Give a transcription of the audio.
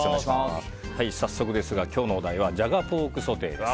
早速ですが今日のお題はジャガポークソテーです。